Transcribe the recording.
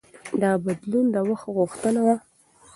دا بدلون د وخت غوښتنه وه.